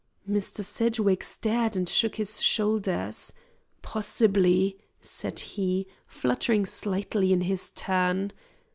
Mr. Sedgwick stared and shook his shoulders. "Possibly," said he, flushing slightly in his turn.